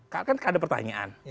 kan ada pertanyaan